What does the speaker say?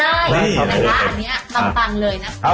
หรือว่าจะตั้งกับวังก็ได้ค่ะครับอันนี้ปังเลยนะครับ